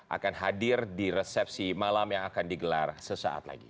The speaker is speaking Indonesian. akan hadir di resepsi malam yang akan digelar sesaat lagi